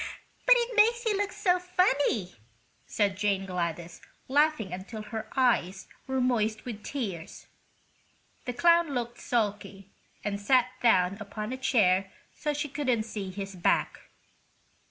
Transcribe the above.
"But it makes you look so funny!" said Jane Gladys, laughing until her eyes were moist with tears. The clown looked sulky and sat down upon a chair so she couldn't see his back.